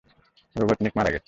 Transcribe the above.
Robotnik মারা গেছে।